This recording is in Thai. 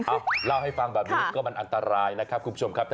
เล่าให้ฟังแบบนี้ก็มันอันตรายนะครับคุณผู้ชมครับ